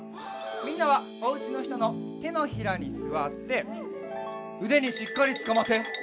みんなはおうちのひとのてのひらにすわってうでにしっかりつかまって。